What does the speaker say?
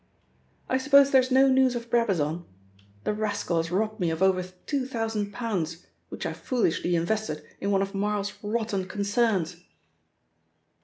"I suppose there is no news of Brabazon? The rascal has robbed me of over two thousand pounds, which I foolishly invested in one of Marl's rotten concerns."